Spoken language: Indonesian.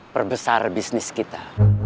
perbesar bisnis kita